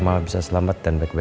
dia mencari penelitian dengan mie